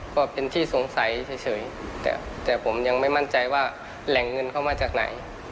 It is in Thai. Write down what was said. ก็เป็นที่สงสัยเฉยแต่ผมยังไม่มั่นใจว่าแหล่งเงินเข้ามาจากไหน